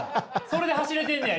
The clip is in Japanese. それで走れてんねや？